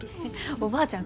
おばあちゃん